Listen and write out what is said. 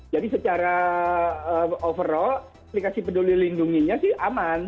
jadi secara overall aplikasi peduli lindunginya sih aman